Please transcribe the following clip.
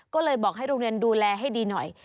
ก็เลยบอกให้โรงเรียนดูแลให้ดีหน่อย